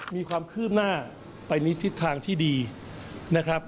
มีความคืบหน้าไปในทิศทางที่ดีนะครับ